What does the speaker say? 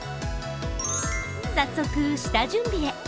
早速、下準備へ。